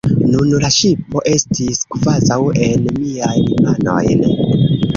Nun la ŝipo estis kvazaŭ en miajn manojn.